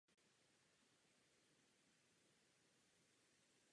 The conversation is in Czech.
Naneštěstí, vyhlídky nejsou právě růžové.